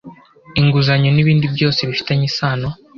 inguzanyo n’ibindi byose bifitanye isano